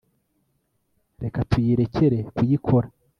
reka tuyirekere kuyikora